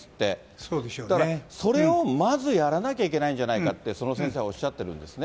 それをまずやらなきゃいけないんじゃないかって、その先生はおっしゃってるんですね。